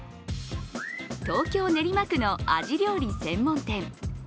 東京・練馬区のアジ料理専門店。